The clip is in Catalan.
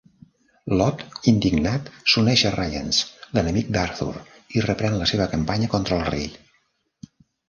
Lot, indignat, s'uneix a Rience, l'enemic d'Arthur, i reprèn la seva campanya contra el rei.